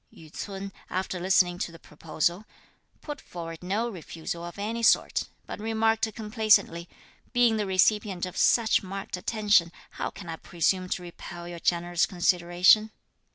Yü ts'un, after listening to the proposal, put forward no refusal of any sort; but remarked complacently: "Being the recipient of such marked attention, how can I presume to repel your generous consideration?"